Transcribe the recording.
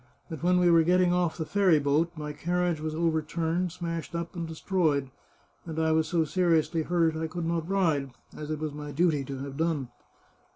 But when we were getting off the ferry boat my carriage was over turned, smashed up, and destroyed, and I was so seriously hurt that I could not ride, as it was my duty to have done."